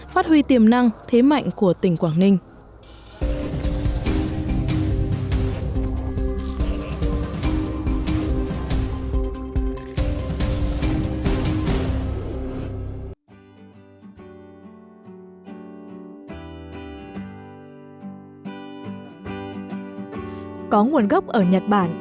phát huy tiềm năng thế mạnh của tỉnh quảng ninh